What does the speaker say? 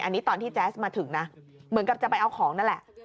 อันนี้ตอนที่แจ๊สมาถึงนะเหมือนกับจะไปเอาของนั่นแหละ